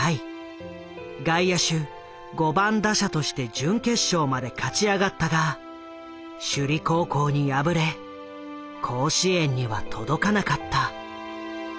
外野手５番打者として準決勝まで勝ち上がったが首里高校に敗れ甲子園には届かなかった。